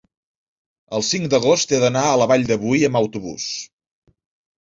el cinc d'agost he d'anar a la Vall de Boí amb autobús.